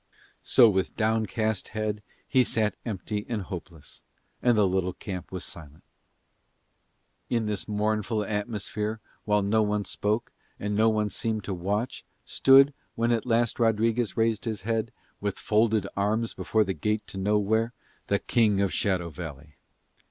So with downcast head he sat empty and hopeless, and the little camp was silent. In this mournful atmosphere while no one spoke, and no one seemed to watch, stood, when at last Rodriguez raised his head, with folded arms before the gate to nowhere, the King of Shadow Valley.